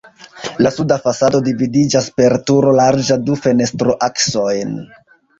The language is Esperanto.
La suda fasado dividiĝas per turo larĝa du fenestroaksojn.